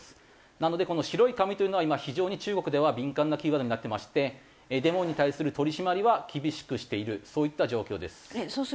なのでこの白い紙というのは今非常に中国では敏感なキーワードになってましてデモに対する取り締まりは厳しくしているそういった状況です。